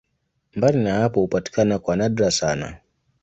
Mbali na hapo hupatikana kwa nadra sana.